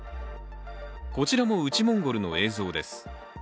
こちらも内モンゴルの映像です。